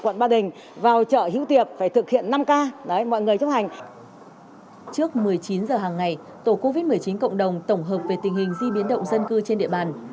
trước một mươi chín h hàng ngày tổ covid một mươi chín cộng đồng tổng hợp về tình hình di biến động dân cư trên địa bàn